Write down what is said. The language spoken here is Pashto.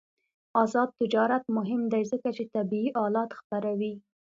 آزاد تجارت مهم دی ځکه چې طبي آلات خپروي.